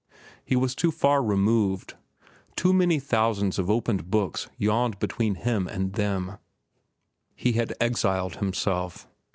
He was too far removed. Too many thousands of opened books yawned between them and him. He had exiled himself.